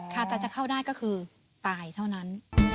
ค่ะแต่จะเข้าได้ก็คือตายเท่านั้น